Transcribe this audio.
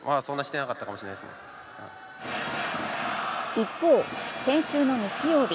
一方、先週の日曜日。